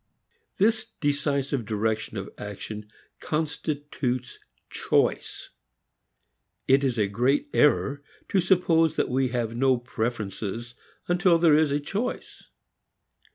This decisive direction of action constitutes choice. It is a great error to suppose that we have no preferences until there is a choice.